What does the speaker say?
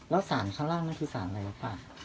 แล้วสารข้างล่างนั้นคือสารอะไรครับป้า